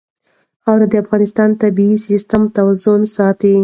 خاوره د افغانستان د طبعي سیسټم توازن ساتي.